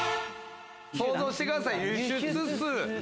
想像してください。